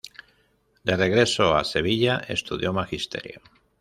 De regreso a Sevilla, estudió Magisterio.